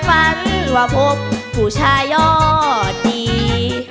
คืนฟันดีน่ะตบฟันฟันว่าพบผู้ชายอดดี